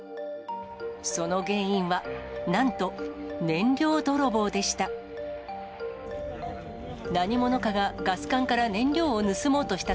その原因は、なんと燃料泥棒でした。